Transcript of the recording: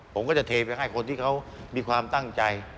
ผมก็จะเทไปให้คนที่เขามีความตั้งใจ